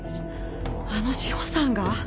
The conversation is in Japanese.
あの志帆さんが？